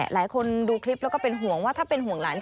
หลายคนดูคลิปแล้วก็เป็นห่วงว่าถ้าเป็นห่วงหลาน